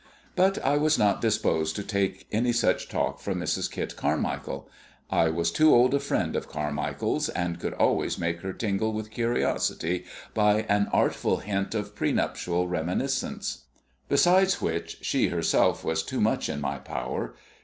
But I was not disposed to take any such talk from Mrs. Kit Carmichael. I was too old a friend of Carmichael's, and could always make her tingle with curiosity by an artful hint of pre nuptial reminiscence. Besides which, she herself was too much in my power.